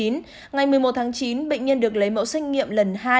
ngày một mươi một tháng chín bệnh nhân được lấy mẫu xét nghiệm lần hai